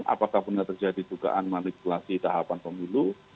apakah pernah terjadi tugaan manipulasi tahapan pemilu